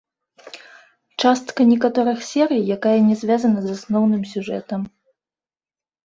Частка некаторых серый, якая не звязана з асноўным сюжэтам.